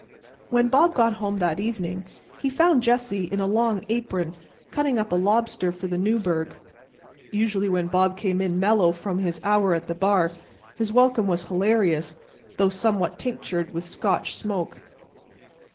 When Bob got home that evening he found Jessie in a long apron cutting up a lobster for the Newburg. Usually when Bob came in mellow from his hour at the bar his welcome was hilarious, though somewhat tinctured with Scotch smoke.